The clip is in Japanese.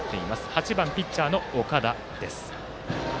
８番ピッチャーの岡田です。